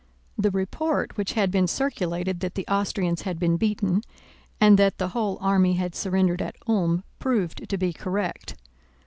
The report which had been circulated that the Austrians had been beaten and that the whole army had surrendered at Ulm proved to be correct.